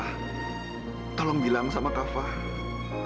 kami sudah berjalan ke tempat yang lebih dekat